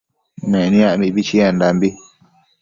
Meniac mibi chiendambi